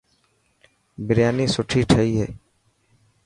برياني سٺي تهئي هي.